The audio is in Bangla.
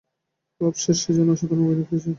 বব শেষ সিজনে অসাধারণ অভিনয় করেছে।